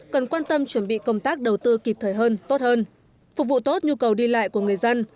cần quan tâm chuẩn bị công tác đầu tư kịp thời hơn tốt hơn phục vụ tốt nhu cầu đi lại của người dân